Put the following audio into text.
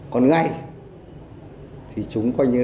còn ngày thì chúng coi như bình thường